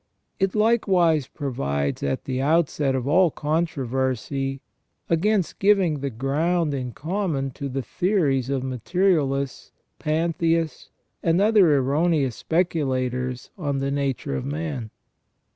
It likewise provides at the outset of all controversy against giving the ground in common to the theories of materialists, pantheists, and other erroneous speculators on the nature of man.